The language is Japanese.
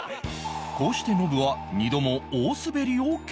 こうしてノブは２度も大スベりを経験